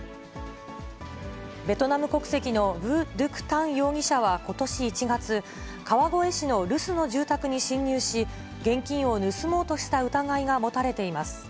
ベトナム国籍のヴ・ドゥク・タン容疑者はことし１月、川越市の留守の住宅に侵入し、現金を盗もうとした疑いが持たれています。